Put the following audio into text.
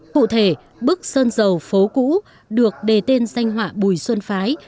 cụ thể bức sơn dầu phố cũ được đề tên danh họa bùi xuân phái